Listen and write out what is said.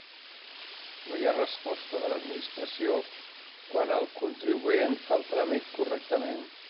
No hi ha resposta de l'Administració quan el contribuent fa el tràmit correctament.